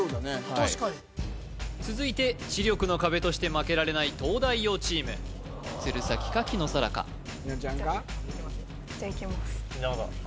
確かに続いて知力の壁として負けられない東大王チーム鶴崎か紀野紗良か紀野ちゃんかじゃいきます